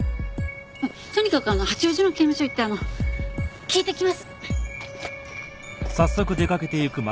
とにかく八王子の刑務所行って聞いてきます。